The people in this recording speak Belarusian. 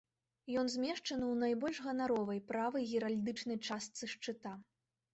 Ён змешчаны ў найбольш ганаровай, правай геральдычнай частцы шчыта.